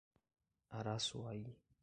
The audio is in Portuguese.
Araçuaí